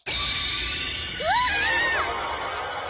うわ！